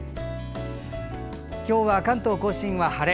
今日は関東・甲信は晴れ。